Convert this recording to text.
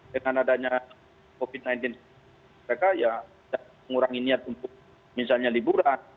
dengan adanya covid sembilan belas mereka ya mengurangi niat untuk misalnya liburan